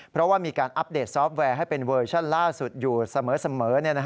เพราะว่ามีการอัปเดตซอฟต์แวร์ให้เป็นเวอร์ชั่นล่าสุดอยู่เสมอ